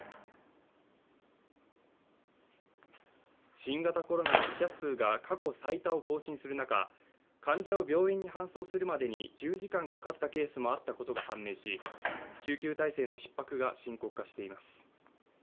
新型コロナの死者数が過去最多を更新する中、患者を病院に搬送するまでに１０時間かかったケースがあったことが判明し、救急体制のひっ迫が深刻化しています。